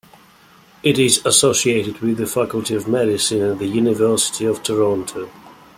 It is associated with the Faculty of Medicine at the University of Toronto.